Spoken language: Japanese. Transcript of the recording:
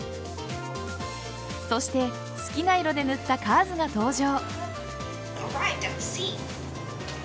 そして好きな色で塗ったカーズが登場。